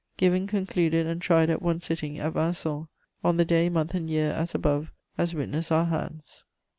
"Given, concluded, and tried at one sitting, at Vincennes, on the day, month and year as above, as witness our hands."